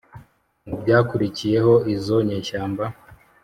mu byakurikiyeho, izo nyeshyamba